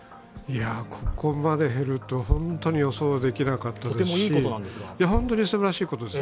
ここまで減るとは本当に予想できなかったですし本当にすばらしいことです。